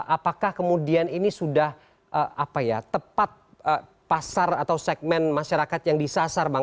apakah kemudian ini sudah tepat pasar atau segmen masyarakat yang disasar bang